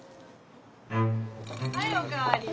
はいお代わり。